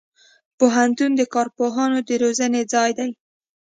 پوهنتون د کارپوهانو د روزنې ځای دی.